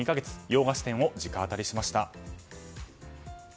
洋菓子店を直アタリしました。